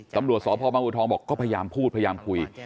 ตำรวจสพบังอุทองบอกก็พยายามพูดพยายามคุย